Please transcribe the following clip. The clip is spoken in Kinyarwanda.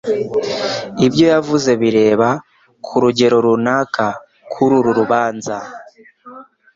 Ibyo yavuze bireba, ku rugero runaka, kuri uru rubanza